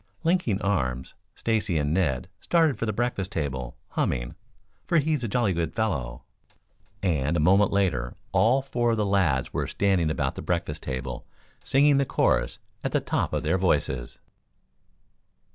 Linking arms, Stacy and Ned started for the breakfast table, humming, "For he's a jolly good fellow," and a moment later all four of the lads were standing about the breakfast table, singing the chorus at the top of their voices.